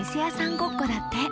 ごっこだって！